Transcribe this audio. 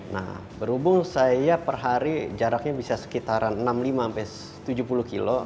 nah berhubung saya per hari jaraknya bisa sekitaran enam puluh lima sampai tujuh puluh kilo